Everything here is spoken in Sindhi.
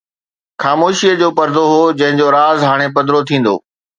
خاموشيءَ جو پردو هو، جنهن جو راز هاڻي پڌرو ٿيندو